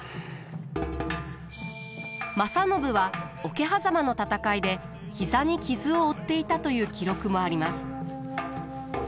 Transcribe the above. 正信は桶狭間の戦いで膝に傷を負っていたという記録もあります。